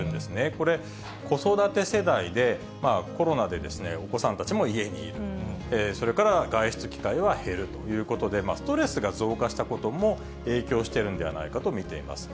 これ、子育て世代でコロナでお子さんたちも家にいる、それから外出機会が減るということで、ストレスが増加したことも影響しているんではないかと見ています。